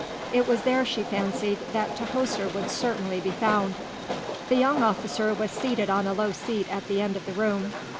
It was there, she fancied, that Tahoser would certainly be found. The young officer was seated on a low seat at the end of the room.